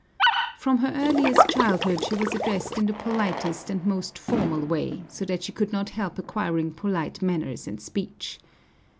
From her earliest childhood, she was addressed in the politest and most formal way, so that she could not help acquiring polite manners and speech.